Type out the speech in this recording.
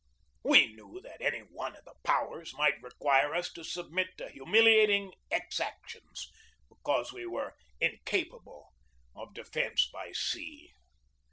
We knew that any one of the powers might require us to submit to humiliating exactions because we were incapable of defence by sea.